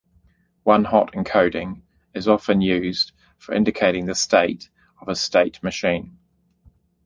One-hot encoding is often used for indicating the state of a state machine.